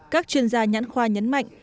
các chuyên gia nhãn khoa nhấn mạnh